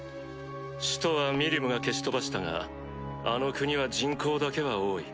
首都はミリムが消し飛ばしたがあの国は人口だけは多い。